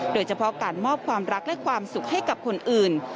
โดยเฉพาะการมอบความรักและความสุขให้กับคนอื่น